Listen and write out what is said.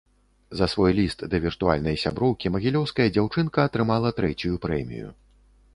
За свой ліст да віртуальнай сяброўкі магілёўская дзяўчынка атрымала трэцюю прэмію.